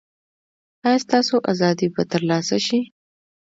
ایا ستاسو ازادي به ترلاسه شي؟